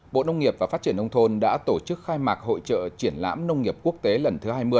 bộ nông nghiệp và phát triển nông thôn đã tổ chức khai mạc hội trợ triển lãm nông nghiệp quốc tế lần thứ hai mươi